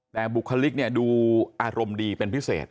แต่บุคลิกดูอารมณ์ดีเป็นพิเศษ